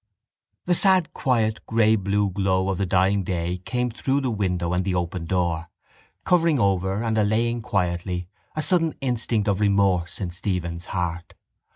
The sad quiet greyblue glow of the dying day came through the window and the open door, covering over and allaying quietly a sudden instinct of remorse in Stephen's heart.